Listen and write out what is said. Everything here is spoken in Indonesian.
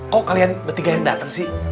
kok kalian bertiga yang datang sih